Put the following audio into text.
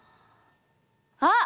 あっ！